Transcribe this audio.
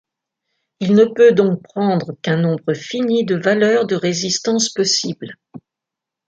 Il ne peut donc prendre qu'un nombre fini de valeurs de résistances possibles.